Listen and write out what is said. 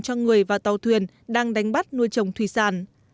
cho người và tàu thuyền đang đánh bắt nuôi trồng thủy sản